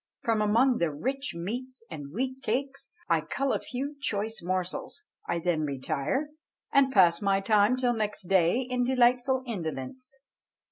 From among the rich meats and wheat cakes I cull a few choice morsels; I then retire and pass my time till next day in delightful indolence."